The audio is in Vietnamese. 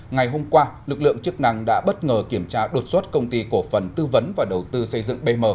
ngày hôm qua lực lượng chức năng đã bất ngờ kiểm tra đột xuất công ty cổ phần tư vấn và đầu tư xây dựng bm